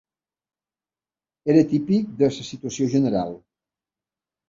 Era típic de la situació general